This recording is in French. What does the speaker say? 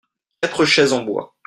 quatre chaises en bois.